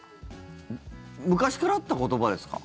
昔からあった言葉ですか？